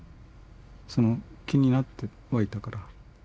その気になってはいたから。